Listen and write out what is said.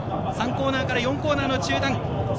３コーナーから４コーナーの中団。